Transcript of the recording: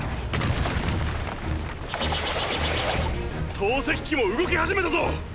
投石機も動き始めたぞ！